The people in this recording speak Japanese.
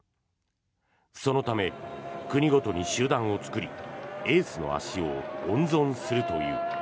そのため、国ごとに集団を作りエースの足を温存するという。